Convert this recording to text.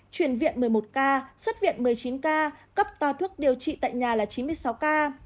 chuyển viện một mươi một ca xuất viện một mươi chín ca cấp toa thuốc điều trị tại nhà là chín mươi sáu ca